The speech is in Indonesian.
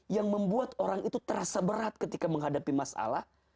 yang membuat orang itu terasa berat ketika menghadapi masalah